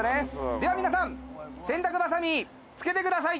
では皆さん洗濯バサミつけてください